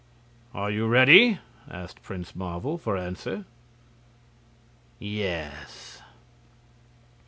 "Are you ready?" asked Prince Marvel, for answer. "Yes."